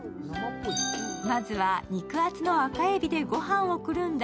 まずは肉厚の赤えびでご飯をくるんだ